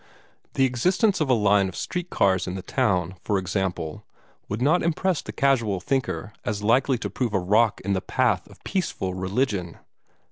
The existence of a line of street cars in the town, for example, would not impress the casual thinker as likely to prove a rock in the path of peaceful religion.